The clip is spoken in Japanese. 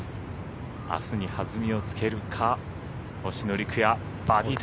あすに弾みをつけるか星野陸也。